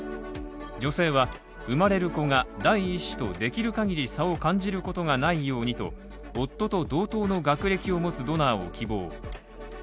女性は、生まれる子が第１子とできる限り差を感じることがないようにと、夫と同等の学歴を持つドナーを希望。